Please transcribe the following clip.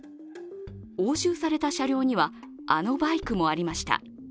押収された車両には、あのバイクもありました。